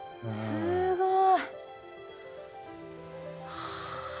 すごい。